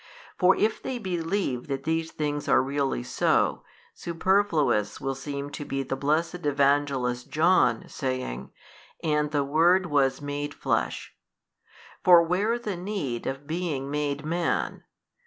For if they believe that these things are really so, superfluous will seem to be the blessed Evangelist John, saying, And the Word was made Flesh. For where the need of being made man?